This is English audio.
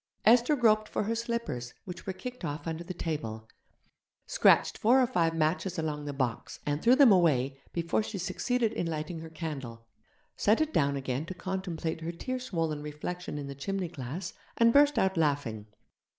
Esther groped for her slippers, which were kicked off under the table; scratched four or five matches along the box and threw them away before she succeeded in lighting her candle; set it down again to contemplate her tear swollen reflection in the chimney glass, and burst out laughing.